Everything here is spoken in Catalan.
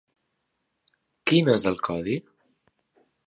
Quin és el codi?